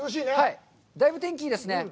だいぶ天気はいいですね。